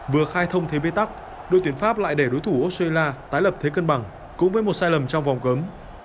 vừa khai thông thế bê tắc đội tuyển pháp lại để đối thủ australia tái lập thế cân bằng cũng với một sai lầm trong vòng cấm